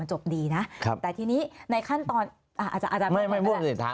มาจบดีนะครับแปดทีนี้ในขั้นตอนอาจารย์จะช่วยทำ